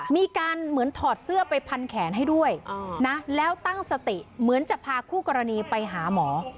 มีการเหมือนถอดเสื้อไปพันแขนให้ด้วยนะแล้วตั้งสติเหมือนจะพาคู่กรณีไปหาหมอ